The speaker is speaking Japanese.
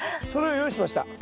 それを用意しました。